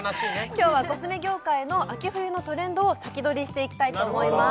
今日はコスメ業界の秋冬のトレンドを先取りしていきたいと思います